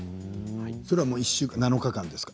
それは１週間７日間ですか。